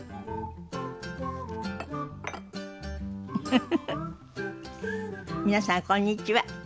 フフフフ皆さんこんにちは。